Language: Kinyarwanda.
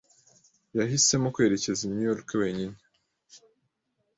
Yahisemo kwerekeza i New York wenyine.